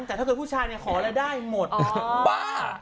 แต่ถ้าเกิดผู้ชายเนี่ยขอแล้วได้หมดบ้า